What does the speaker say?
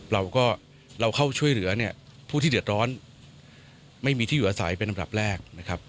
เราก็เข้าช่วยเหลือผู้ที่เดือดร้อนไม่มีที่อยู่อาศัยเป็นระดับแรก